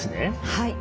はい。